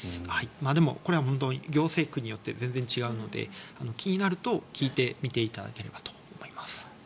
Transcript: でも、これは本当に行政区によって全然違うので気になったら聞いてみていただければと思います。